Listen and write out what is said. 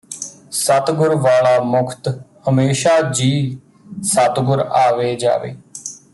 ਸਤਿਗੁਰ ਵਾਲਾ ਮੁਖਤ ਹਮੇਸ਼ਾ ਜੀ ਸਤਿਗੁਰ ਆਵੇ ਜਾਵੇ